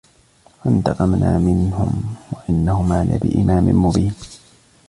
فانتقمنا منهم وإنهما لبإمام مبين